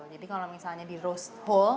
jadi kalau misalnya di roast whole